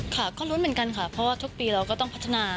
ค่ะก็ลุ้นเหมือนกันค่ะเพราะว่าทุกปีเราก็ต้องพัฒนา